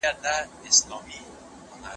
د دورکهایم نظریات په نړۍ کې منل شوي دي.